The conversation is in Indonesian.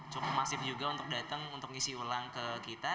cukup masif juga untuk datang untuk ngisi ulang ke kita